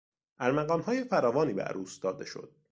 ارمغانهای فراوانی به عروس داده شد.